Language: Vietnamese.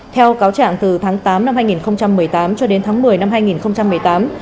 theo cáo trạng từ tháng tám năm hai nghìn một mươi tám cho đến tháng một mươi năm hai nghìn một mươi tám